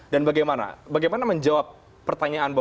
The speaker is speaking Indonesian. dan bagaimana menjawab pertanyaan